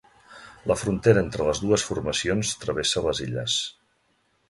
La frontera entre les dues formacions travessa les illes.